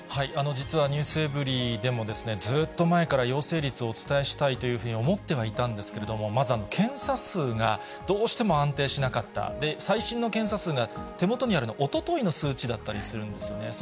実はｎｅｗｓｅｖｅｒｙ．でも、ずっと前から陽性率をお伝えしたいというふうに思ってはいたんですけれども、まず検査数がどうしても安定しなかった、最新の検査数が手元にあるの、おとといの数値だったりするんですよね。